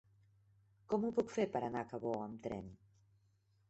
Com ho puc fer per anar a Cabó amb tren?